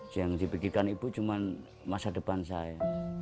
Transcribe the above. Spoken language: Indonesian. yang dipikirkan ibu cuma masa depan saya